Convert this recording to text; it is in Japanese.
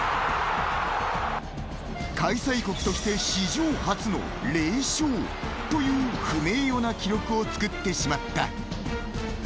開催国として史上初の０勝という不名誉な記録を作ってしまった。